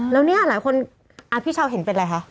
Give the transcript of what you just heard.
แล้วเนี่ยหลายคนพี่เช้าเห็นเป็นอะไรคะ